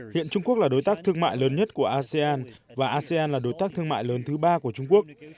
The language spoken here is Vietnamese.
hiện trung quốc là đối tác thương mại lớn nhất của asean và asean là đối tác thương mại lớn thứ ba của trung quốc